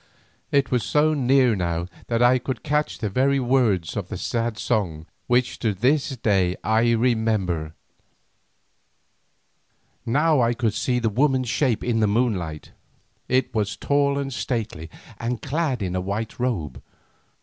It was so near now that I could catch the very words of that sad song which to this day I remember. Now I could see the woman's shape in the moonlight; it was tall and stately and clad in a white robe.